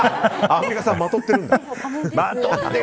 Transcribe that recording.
アンミカさん、まとってるんだ。